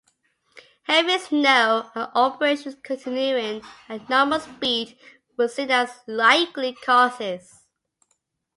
Heavy snow and operations continuing at normal speed were seen as likely causes.